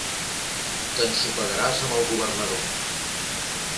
T'ensopegaràs amb el Governador.